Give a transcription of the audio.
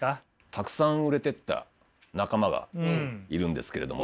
たくさん売れてった仲間がいるんですけれども。